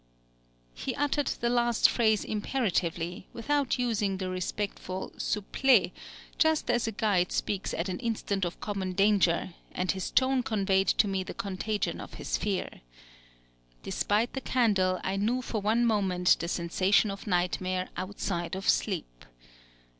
He uttered the last phrase imperatively, without using the respectful souplé just as a guide speaks at an instant of common danger; and his tone conveyed to me the contagion of his fear. Despite the candle, I knew for one moment the sensation of nightmare outside of sleep!